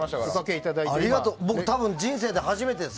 僕、多分人生で初めてです。